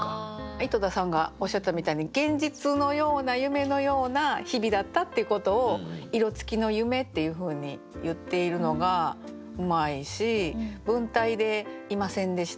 井戸田さんがおっしゃったみたいに現実のような夢のような日々だったっていうことを「色つきの夢」っていうふうに言っているのがうまいし文体で「いませんでした」